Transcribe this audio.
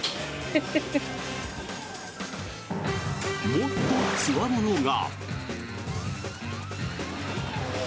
もっとつわものが。